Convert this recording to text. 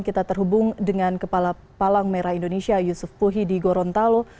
kita terhubung dengan kepala palang merah indonesia yusuf puhi di gorontalo